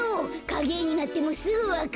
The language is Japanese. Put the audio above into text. かげえになってもすぐわかる。